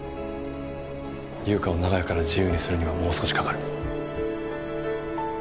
優香を長屋から自由にするにはもう少しかかる。